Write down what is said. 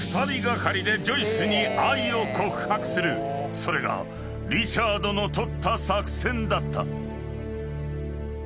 ［それがリチャードの取った作戦だった］